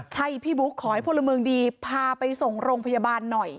ใช่พี่บุ๊คขอให้พลเมืองดีพาไปส่งโรงพยาบาลหน่อย